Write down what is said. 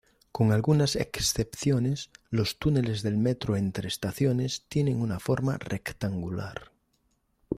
Con algunas excepciones, los túneles del metro entre estaciones tienen una forma rectangular.